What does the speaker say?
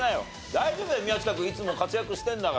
大丈夫だよ宮近君いつも活躍してるんだから。